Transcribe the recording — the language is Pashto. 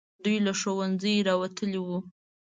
دوی له ښوونځیو راوتلي وو.